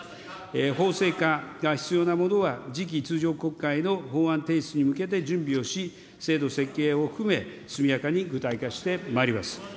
法制化が必要なものは次期通常国会の法案提出に向けて準備をし、制度設計を含め、速やかに具体化してまいります。